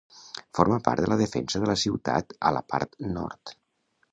Forma part de la defensa de la ciutat a la part nord.